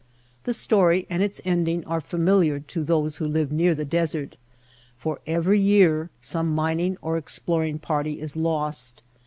The story and its ending are familiar to those who live near the desert, for every year some mining or explor ing party is lost.